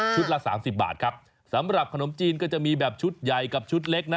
ละสามสิบบาทครับสำหรับขนมจีนก็จะมีแบบชุดใหญ่กับชุดเล็กนะ